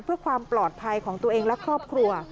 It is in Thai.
เพื่อความปลอดภัยของตัวเองและครอบครัว